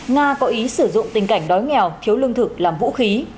nga có ý sử dụng tình cảnh đói nghèo thiếu lương thực làm vũ khí